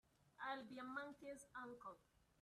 I'll be a monkey's uncle!